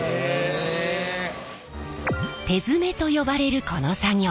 手詰めと呼ばれるこの作業。